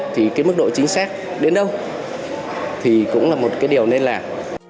thì cái mức độ chính xác đến đâu thì cũng là một cái điều nên làm